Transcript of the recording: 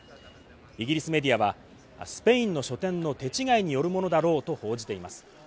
イギリスメディアはスペインの書店の手違いによるものだろうと報じています。